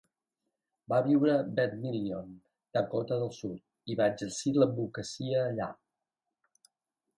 Va viure a Vermillion, Dakota del Sud, i va exercir l'advocacia allà.